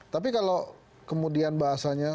tapi kalau kemudian bahasanya